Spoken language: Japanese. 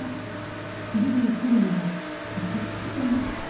鋭いフォルムがイカしてるわね。